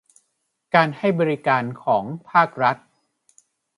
ในการให้บริการของภาครัฐ